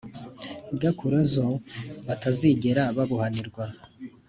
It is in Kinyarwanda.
gakurazo batazigera babuhanirwa.